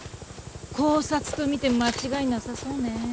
絞殺と見て間違いなさそうね。